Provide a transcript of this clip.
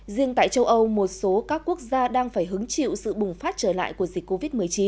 riêng tại châu âu một số các quốc gia đang phải hứng chịu sự bùng phát trở lại của dịch covid một mươi chín